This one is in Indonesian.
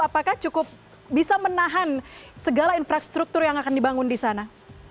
apakah cukup bisa menahan segala infrastruktur yang akan dibangun di sana